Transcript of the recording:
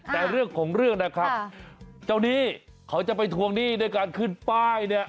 แต่เรื่องของเรื่องนะครับเจ้าหนี้เขาจะไปทวงหนี้ด้วยการขึ้นป้ายเนี่ย